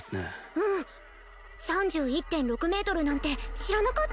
うん３１．６ｍなんて知らなかっ